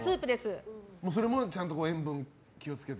それもちゃんと塩分を気を付けて？